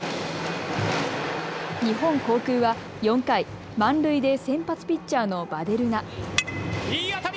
日本航空は４回、満塁で先発ピッチャーのヴァデルナ。